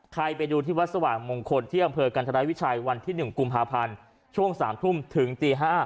ไปดูที่วัดสว่างมงคลที่อำเภอกันธรวิชัยวันที่๑กุมภาพันธ์ช่วง๓ทุ่มถึงตี๕